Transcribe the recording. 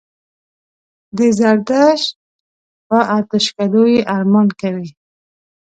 د زردشت په آتشکدو یې ارمان کوي.